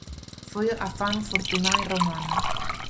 Foi a Fanu Fortunae romana.